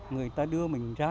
người ta đưa mình ra